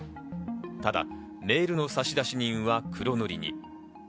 ただメールの差出人は黒塗りに。